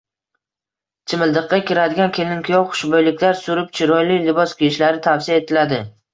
Chimildiqqa kiradigan kelin-kuyov xushbo‘yliklar surib, chiroyli libos kiyishlari tavsiya etiladi.